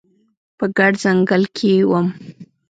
په ګڼ ځنګل کې وم